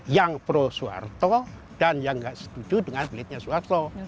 yang pro soeharto dan yang nggak setuju dengan belitnya soeharto